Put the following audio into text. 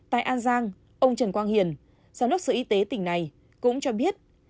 tại an giang ông trần quang hiền giám đốc sở y tế tỉnh này cũng cho biết